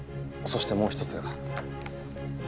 そしてもう１つが。